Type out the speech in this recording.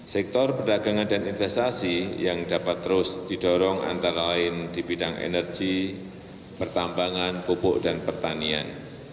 sektor perdagangan dan investasi yang dapat terus didorong antara lain di bidang energi pertambangan pupuk dan pertanian